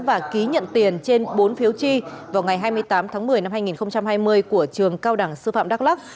và ký nhận tiền trên bốn phiếu chi vào ngày hai mươi tám tháng một mươi năm hai nghìn hai mươi của trường cao đẳng sư phạm đắk lắc